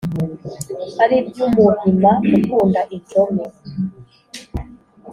Ari iby'Umuhima ukunda injome,